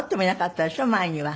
前には。